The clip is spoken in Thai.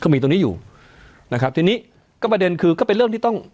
มีตรงนี้อยู่นะครับทีนี้ก็ประเด็นคือก็เป็นเรื่องที่ต้อง